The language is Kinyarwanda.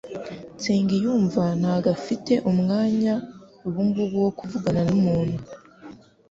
Nsengiyumva ntabwo afite umwanya ubungubu wo kuvugana numuntu.